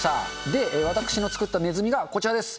で、私の作ったネズミがこちらです。